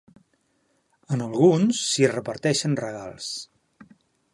En alguns, s'hi reparteixen regals.